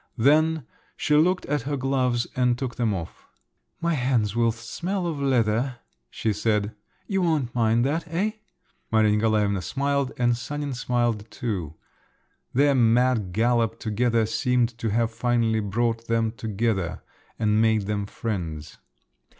Then she looked at her gloves and took them off. "My hands will smell of leather," she said, "you won't mind that, eh?" … Maria Nikolaevna smiled, and Sanin smiled too. Their mad gallop together seemed to have finally brought them together and made them friends.